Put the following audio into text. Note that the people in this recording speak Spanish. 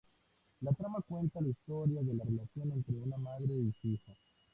La trama cuenta la historia de la relación entre una madre y su hija.